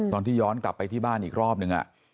ตอนที่ย้อนกลับไปที่บ้านอีกรอบนึง